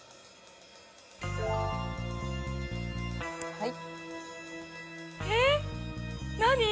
はい。